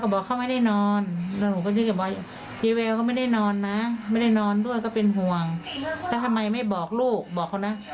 บอกลูกต้องบอกมานะ